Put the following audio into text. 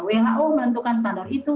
who menentukan standar itu